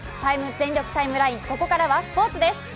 「全力ＴＩＭＥライン」、ここからはスポーツです。